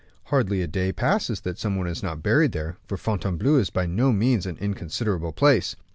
Hardly a day passes that some one is not buried there; for Fontainebleau is by no means an inconsiderable place.